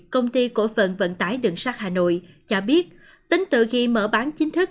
công ty cổ phận vận tải đường sắt hà nội cho biết tính từ khi mở bán chính thức